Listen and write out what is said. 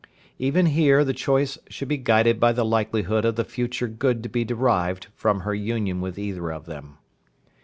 Even here the choice should be guided by the likelihood of the future good to be derived from her union with either of them.